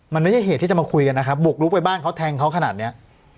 มันไม่ใช่เหตุที่จะมาคุยกันนะครับบุกลุกไปบ้านเขาแทงเขาขนาดเนี้ย